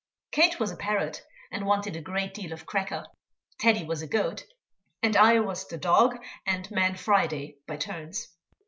Kate was a parrot, and wanted a great deal of cracker, Teddy was a goat, and I was the dog and "man Friday" by turns.